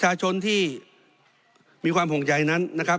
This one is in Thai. เพราะฉะนั้นโทษเหล่านี้มีทั้งสิ่งที่ผิดกฎหมายใหญ่นะครับ